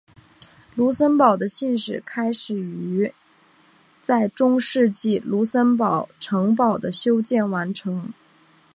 卢森堡的信史开始于在中世纪卢森堡城堡的修建完成。